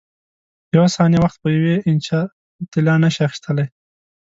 یوه ثانیه وخت په یوې انچه طلا نه شې اخیستلای.